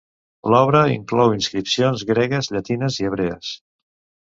L'obra inclou inscripcions gregues, llatines i hebrees.